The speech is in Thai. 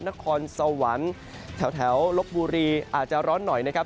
นครสวรรค์แถวลบบุรีอาจจะร้อนหน่อยนะครับ